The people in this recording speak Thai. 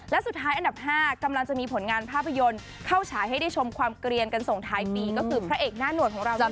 และสุดท้ายอันดับ๕กำลังจะมีผลงานภาพยนตร์เข้าฉายให้ได้ชมความเกลียนกันส่งท้ายปีก็คือพระเอกหน้าหนวดของเรา